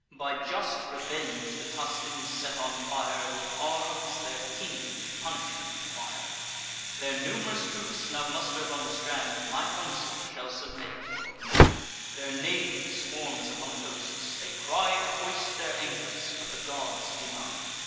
By just revenge the Tuscans set on fire, With arms, their king to punishment require: Their num'rous troops, now muster'd on the strand, My counsel shall submit to your command. Their navy swarms upon the coasts; they cry To hoist their anchors, but the gods deny.